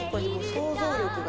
想像力が。